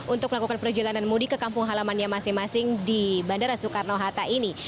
untuk melakukan perjalanan mudik ke kampung halamannya masing masing di bandara soekarno hatta ini